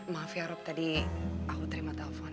maaf ya rob tadi aku terima telepon